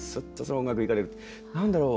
何だろう